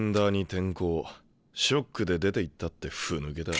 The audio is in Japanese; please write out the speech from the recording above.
ショックで出ていったってふぬけだ。